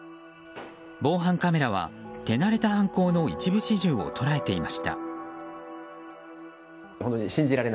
防犯カメラは手慣れた犯行の一部始終を捉えていました。